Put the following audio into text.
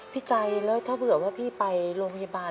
ใจแล้วถ้าเผื่อว่าพี่ไปโรงพยาบาล